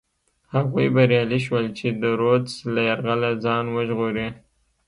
هغوی بریالي شول چې د رودز له یرغله ځان وژغوري.